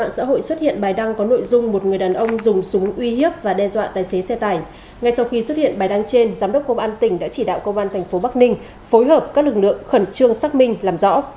ngay sau khi xuất hiện bài đăng trên giám đốc công an tỉnh đã chỉ đạo công an tp bắc ninh phối hợp các lực lượng khẩn trương xác minh làm rõ